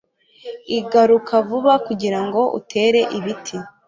iguruka vuba kugirango utere ibiti